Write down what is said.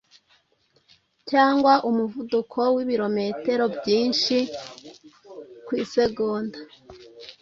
cyangwa umuvuduko w’ibirometero byinshi ku isegonda.